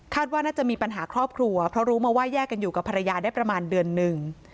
ว่าน่าจะมีปัญหาครอบครัวเพราะรู้มาว่าแยกกันอยู่กับภรรยาได้ประมาณเดือนหนึ่ง